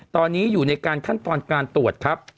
ตอนนี้อยู่ในการขั้นตอนการตรวจครับ